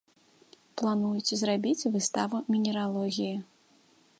Плануюць зрабіць выставу мінералогіі.